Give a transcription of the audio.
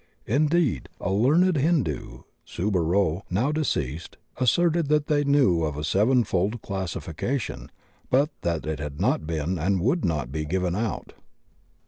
Indeed, a learned Hindu, Subba Row, now deceased, asserted that they knew of a sevenfold clas sification, but that it had not been and would not be given out.